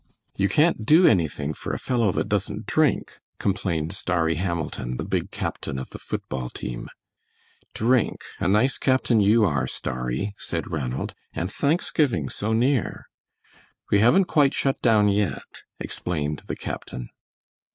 "You can't do anything for a fellow that doesn't drink," complained Starry Hamilton, the big captain of the foot ball team. "Drink! a nice captain you are, Starry," said Ranald, "and Thanksgiving so near." "We haven't quite shut down yet," explained the captain.